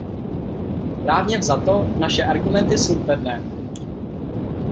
Právně vzato, naše argumenty jsou pevné.